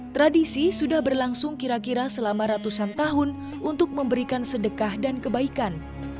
tradisi sudah berlangsung kira kira selama ratusan tahun untuk memberikan sedekah dan kebaikan